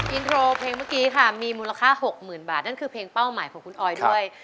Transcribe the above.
อินโทรเพลงเมื่อกี้ค่ะมีมูลค่า๖๐๐๐บาทนั่นคือเพลงเป้าหมายของคุณออยด้วย